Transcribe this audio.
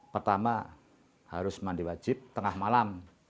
pertama harus mandi wajib tengah malam